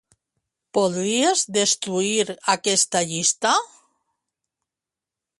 Podries destruir aquesta llista?